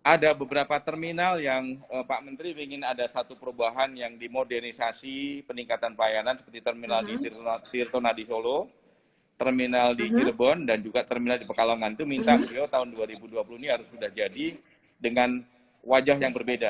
ada beberapa terminal yang pak menteri ingin ada satu perubahan yang dimodernisasi peningkatan pelayanan seperti terminal tirtona di solo terminal di cirebon dan juga terminal di pekalongan itu minta beliau tahun dua ribu dua puluh ini harus sudah jadi dengan wajah yang berbeda